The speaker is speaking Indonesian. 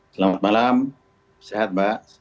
selamat malam sehat mbak